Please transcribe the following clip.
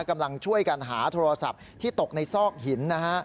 กำลังช่วยกันหาโทรศัพท์ที่ตกในซอกหินนะฮะ